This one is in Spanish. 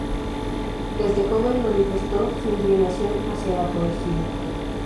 Desde joven manifestó su inclinación hacia la poesía.